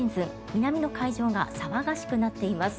南の海上が騒がしくなっています。